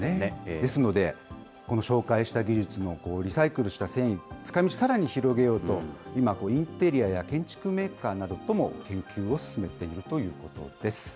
ですので、この紹介した技術のリサイクルした繊維、使いみちをさらに広げようと、今、インテリアや建築メーカーなどとも研究を進めているということです。